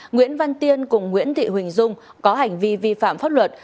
nguyễn văn tiên cùng nguyễn thị huỳnh dung có hành vi vi phạm pháp luật